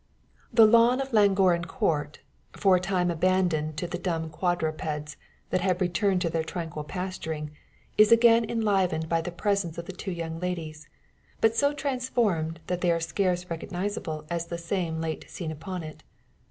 The lawn of Llangorren Court, for a time abandoned to the dumb quadrupeds, that had returned to their tranquil pasturing, is again enlivened by the presence of the two young ladies; but so transformed, that they are scarce recognisable as the same late seen upon it.